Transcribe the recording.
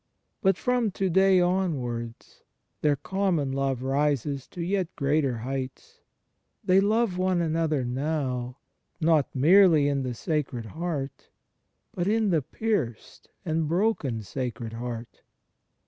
But, from to day on wards, their common love rises to yet greater heights: they love one another now, not merely in the Sacred Heart, but in the pierced and broken Sacred Heart.